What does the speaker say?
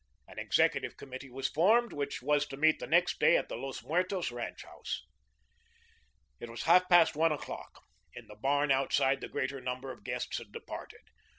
An executive committee was formed, which was to meet the next day at the Los Muertos ranch house. It was half past one o'clock. In the barn outside the greater number of the guests had departed.